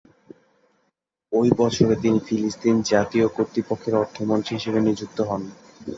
ঐ বছরে তিনি ফিলিস্তিন জাতীয় কর্তৃপক্ষের অর্থমন্ত্রী হিসেবে নিযুক্ত হন।